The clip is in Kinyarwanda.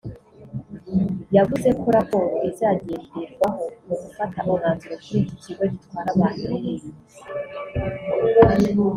yavuze ko raporo izagenderwaho mu gufata umwanzuro kuri iki kigo gitwara abantu n’ibintu